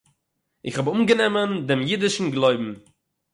איך האָב אָנגענומען דעם אידישן גלויבן